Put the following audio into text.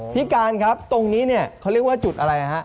พี่กานครับตรงนี้เขาเรียกว่าจุดอะไรครับ